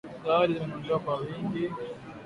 zawadi zimenunuliwa kwa wingi